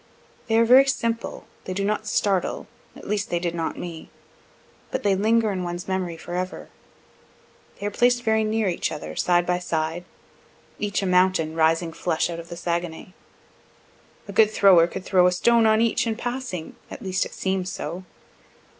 They are very simple, they do not startle at least they did not me but they linger in one's memory forever. They are placed very near each other, side by side, each a mountain rising flush out of the Saguenay. A good thrower could throw a stone on each in passing at least it seems so.